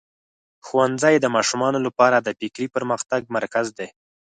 ښوونځی د ماشومانو لپاره د فکري پرمختګ مرکز دی.